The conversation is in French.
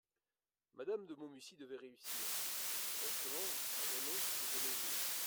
Mme de Maumussy devait réussir … Brusquement, Raymond s'était levé.